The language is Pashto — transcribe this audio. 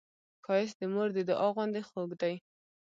ښایست د مور د دعا غوندې خوږ دی